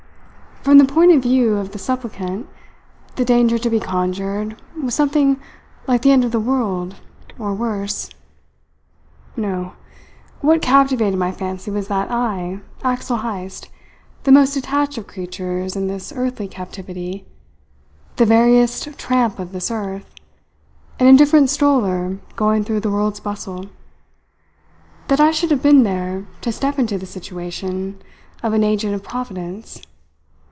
From the point of view of the supplicant, the danger to be conjured was something like the end of the world, or worse. No! What captivated my fancy was that I, Axel Heyst, the most detached of creatures in this earthly captivity, the veriest tramp on this earth, an indifferent stroller going through the world's bustle that I should have been there to step into the situation of an agent of Providence.